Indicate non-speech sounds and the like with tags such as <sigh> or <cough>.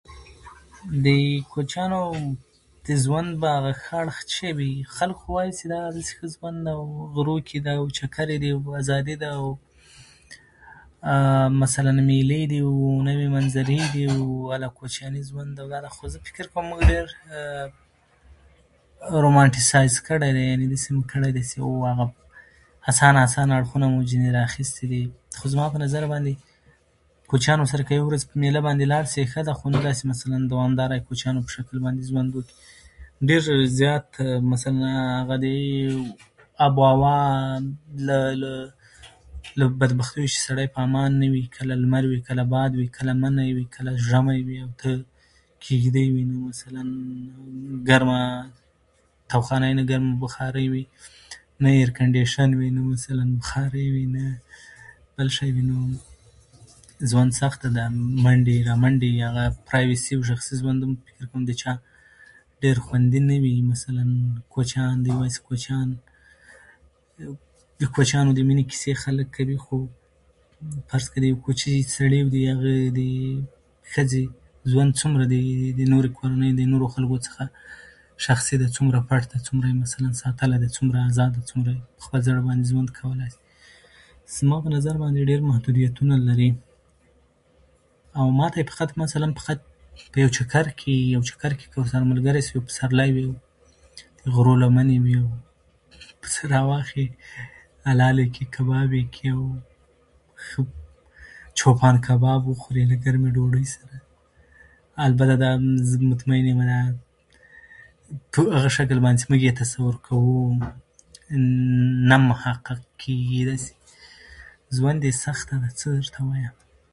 د کوچیانو د ژوند په هغه ښه اړخ چې شی وي، خلک خو وایي چې دا دسې ښه ژوند ده، غرو کې ده، چکرې دي او آزادي ده، اووو عه، عه عه، مثلاً مېلې دي، اووو، نوې منظرې دي، اوو اله، کوچیاني ژوند دی. خو زه فکر کوم ډېر رومانټیسایز کړی دی، یعنې داسې مو کړی دی. ځی اسانه اسانه اړخونه مو ځینې ترې اخیستي دي. خو زما په نظر باندې، کوچیانو سره که د یوې ورځې په مېله باندې لاړ شې، ښځه خو نه ده چې مثلاً دوامداره د کوچیانو په شکل باندې ژوند وکړې. ډېر زیات مثلاً هغه دي، اباوان، له له له، بدبختي چې سړی په امان نه وي. کله لمر وي، کله باد وي، کله منی وي، کله ژمی وي، او تل کیږډې وي. مثلاً ګرمه تاوخانه، ګرمه بخاري وي نه، ایرکنډېشن وي نه، مثلاً بخاري وي نه، بل شی وي. نو نو <hesitation> ژوند سخت دی. منډې رامنډې، یا هغه پرایوېسي، یو شخصي ژوند، زه فکر کوم چې د چا ډېر خوندي نه وي. مثلاً کوچیان دي، یواځې کوچیان. عه عه، د کوچیانو د مینې کیسې خلک کوي، خو فرض کړه د یو کوچي سړي، د هغه د ښځې ژوند، څومره د نورو کورنیو د نورو خلکو څخه شخصي دی؟ څومره پټ دی؟ څومره یې مثلاً ساتلی دی؟ څومره آزاده ده؟ څومره په خپل زړه باندې ژوند کولی شي؟ آه آه، عه عه. زما په نظر باندې ډېر محدودیتونه لري، او ما ته یې فقط مثلاً، فقط د یو چکر کی یو چکر کې ورسره ملګری شې، پسرلی وي، د غرو لمنې وي او سړه وخه . <laughs> حلالي کړي، کباب یې کړي او ښه چوپان کباب وخوري، د ګرمې ډوډۍ سره. او بله دا، زه مطمئن یمه، دا چې په هغه شکل باندې چې موږ یې تصور کوو، نه محقق کېږي. کېدای شي ژوند ډېر سخته ده. څه درته ووایم.